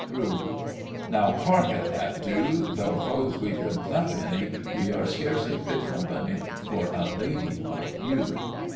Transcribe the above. CREW. Now, hark at that, do! Though foes we could thump any, We are scarcely fit company For a lady like you!